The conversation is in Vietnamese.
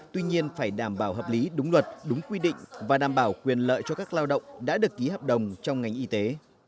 tuy nhiên phải đảm bảo hợp lý đúng luật đúng quy định và đảm bảo quyền lợi cho các lao động đã được ký hợp đồng trong ngành y tế